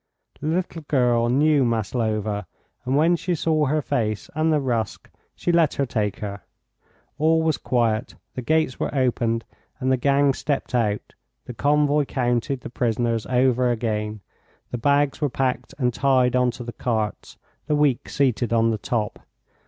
The little girl knew Maslova, and when she saw her face and the rusk she let her take her. All was quiet. The gates were opened, and the gang stepped out, the convoy counted the prisoners over again, the bags were packed and tied on to the carts, the weak seated on the top.